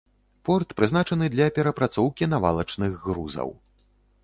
Порт прызначаны для перапрацоўкі навалачных грузаў.